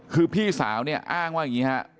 คือพี่สาวเนี่ยอ้างว่าอย่างนี้ฮะ